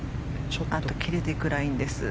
あと切れていくラインです。